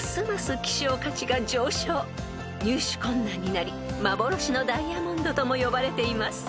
［入手困難になり幻のダイヤモンドとも呼ばれています］